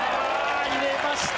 入れました。